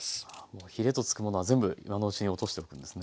もうヒレと付くものは全部今のうちに落としておくんですね。